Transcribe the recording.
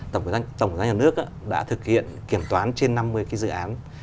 tổng cục giá nhân nước đã thực hiện kiểm toán trên năm mươi cái dự án